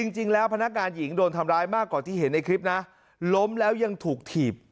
จริงแล้วพนักงานหญิงโดนทำร้ายมากกว่าที่เห็นในคลิปนะล้มแล้วยังถูกถีบ